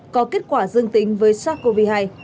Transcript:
có kết quả dương tính với sars cov hai